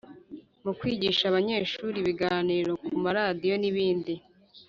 mu kwigisha abanyeshuri ibiganiro ku maradiyo n ibindi